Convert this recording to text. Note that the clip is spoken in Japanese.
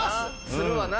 するわな。